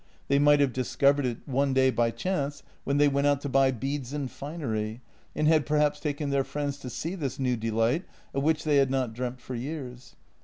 They might have discovered it 28 JENNY one day by chance, when they went out to buy beads and finer}', and had perhaps taken their friends to see this new delight, of which they had not dreamt for years.